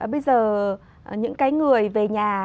bây giờ những người về nhà